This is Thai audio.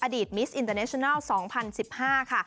มิสอินเตอร์เนชนัล๒๐๑๕ค่ะ